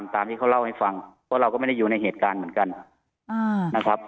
ตามที่เขาเล่าให้ฟังเพราะเราก็ไม่ได้อยู่ในเหตุการณ์เหมือนกันนะครับ